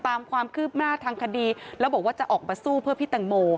ตามความคืบหน้าทางคดีแล้วบอกว่าจะออกมาสู้เพื่อพี่แตงโม